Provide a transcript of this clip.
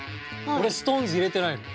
俺ストーンズ入れてないの。